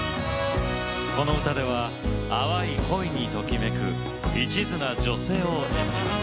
この歌では淡い恋にときめくいちずな女性を演じます